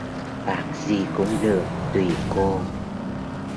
Phạt gì cũng được tùy cô